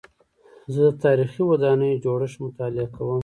زه د تاریخي ودانیو جوړښت مطالعه کوم.